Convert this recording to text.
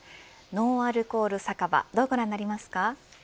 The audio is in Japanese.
ノンアルコール酒場はどうご覧になりますか。